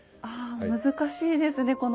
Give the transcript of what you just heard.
ああ難しいですね